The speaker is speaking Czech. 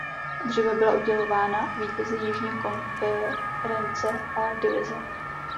Dříve byla udělována vítězi Jižní konference a divize.